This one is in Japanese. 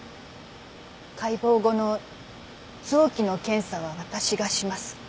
解剖後の臓器の検査は私がします。